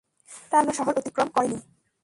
তারা এখনও শহর অতিক্রম করেনি।